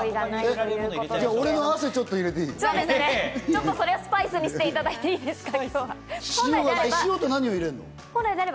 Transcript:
じゃあ、それをスパイスにしていただいていいですか？